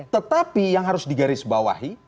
tetapi yang harus digaris bawahi